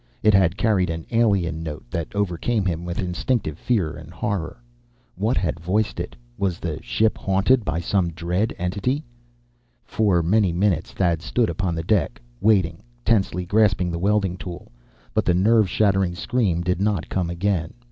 It had carried an alien note that overcame him with instinctive fear and horror. What had voiced it? Was the ship haunted by some dread entity? For many minutes Thad stood upon the deck, waiting, tensely grasping the welding tool. But the nerve shattering scream did not come again.